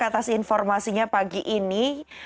atas informasinya pagi ini